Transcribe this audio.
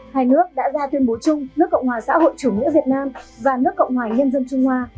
hai nước đã ra tuyên bố chung nước cộng hòa xã hội chủ nghĩa việt nam và nước cộng hòa nhân dân trung hoa